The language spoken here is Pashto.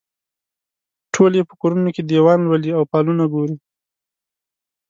ټول یې په کورونو کې دیوان لولي او فالونه ګوري.